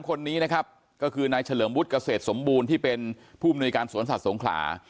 คนนี้นะครับก็คือนายเฉลิมวุฒิเกษตรสมบูรณ์ที่เป็นผู้มนุยการสวนสัตว์สงขลา